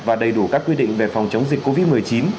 và đầy đủ các quy định về phòng chống dịch covid một mươi chín